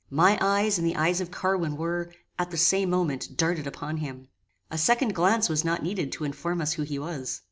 My eyes and the eyes of Carwin were, at the same moment, darted upon him. A second glance was not needed to inform us who he was.